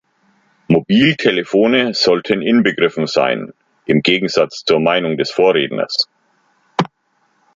Mobiltelefone sollten inbegriffen sein, im Gegensatz zur Meinung des Vorredners.